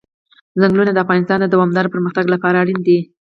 ځنګلونه د افغانستان د دوامداره پرمختګ لپاره اړین دي.